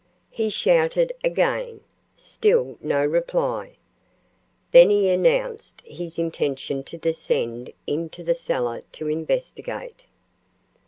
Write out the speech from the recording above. He shouted again. Still no reply. Then he announced his intention to descend into the cellar to investigate.